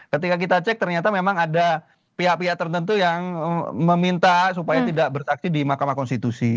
ketika kita cek ternyata memang ada pihak pihak tertentu yang meminta supaya tidak bersaksi di mahkamah konstitusi